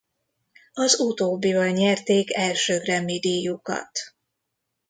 Az utóbbival nyerték első Grammy-díjukat.